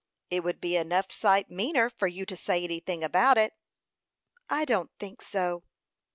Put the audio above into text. "It would be enough sight meaner for you to say anything about it." "I don't think so."